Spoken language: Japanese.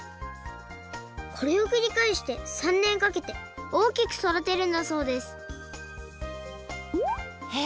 これをくりかえして３ねんかけておおきくそだてるんだそうですへえ